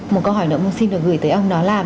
một câu hỏi nữa môn xin được gửi tới ông đó là